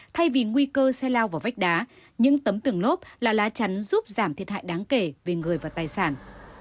thay vì nguy cơ xe lao vào vách đá những tấm tường lốp là lá chắn giúp giảm thiệt hại đáng kể về người và tài sản